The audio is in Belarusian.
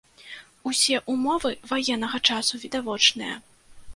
Усе ўмовы ваеннага часу відавочныя.